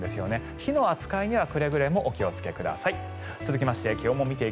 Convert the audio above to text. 火の扱いにはくれぐれもお気をつけください。